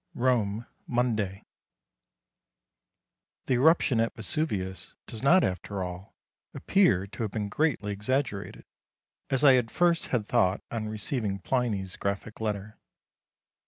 Rome, Monday. The eruption at Vesuvius does not after all appear to have been greatly exaggerated, as I at first had thought on receiving Pliny's graphic letter.